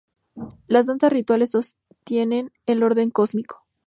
Las danzas rituales sostienen el orden cósmico.